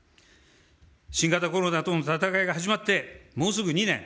新型コロナとの闘いが始まって、もうすぐ２年。